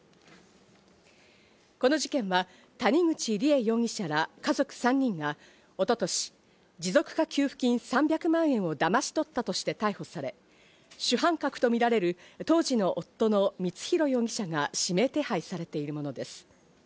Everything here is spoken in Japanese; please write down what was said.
この事件は谷口梨恵容疑者ら家族３人が一昨年、持続化給付金３００万円をだまし取ったとして逮捕され、主犯格とみられる当時の夫の光弘容疑者が指名手配されているものです。